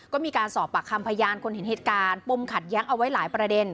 ก็มีการสอบปากคำพยานคนเห็นเหตุการณ์ปมขัดแย้งเอาไว้หลายประเด็น